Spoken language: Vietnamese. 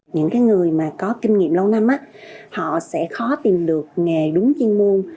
những người có kinh nghiệm lâu năm sẽ khó tìm được nghề đúng chuyên môn